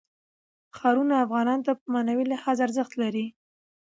ښارونه افغانانو ته په معنوي لحاظ ارزښت لري.